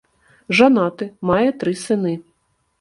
Жанаты, мае тры сыны.